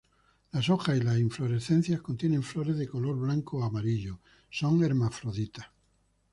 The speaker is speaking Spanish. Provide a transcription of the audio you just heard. Las hojas y las inflorescencias contienen flores de color blanco o amarillo, son hermafroditas.